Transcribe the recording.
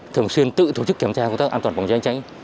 thường xuyên tự tổ chức kiểm tra công tác an toàn phòng cháy cháy